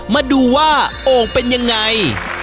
มาดูว่าโอ่งเป็นยังไง